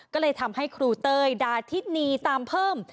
ก็เลยทำให้ครูเต้ยดาธินีตามเพิ่ม